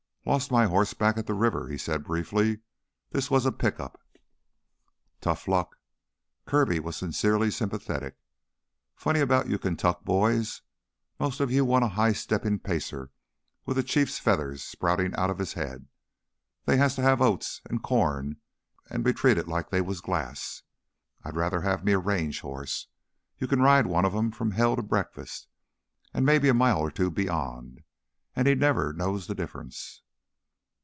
"Lost my horse back at the river," he said briefly. "This was a pickup " "Tough luck!" Kirby was sincerely sympathetic. "Funny about you Kaintuck boys ... mostly you want a high steppin' pacer with a chief's feathers sproutin' outta his head. They has to have oats an' corn an' be treated like they was glass. I'd'ruther have me a range hoss. You can ride one of 'em from Hell to breakfast an' maybe a mile or two beyond an' he never knows the difference.